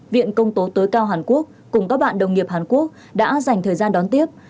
viện công tố tối cao hàn quốc cùng các bạn đồng nghiệp hàn quốc đã dành thời gian đón tiếp